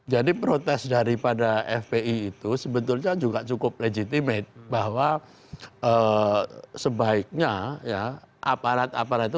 jadi protes daripada fpi itu sebetulnya juga cukup legitimate bahwa sebaiknya ya aparat aparat itu tidak kemudian terlibat